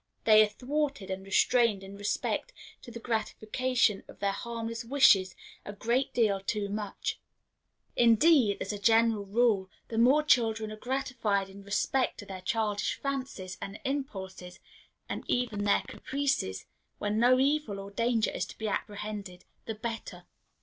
They are thwarted and restrained in respect to the gratification of their harmless wishes a great deal too much. Indeed, as a general rule, the more that children are gratified in respect to their childish fancies and impulses, and even their caprices, when no evil or danger is to be apprehended, the better.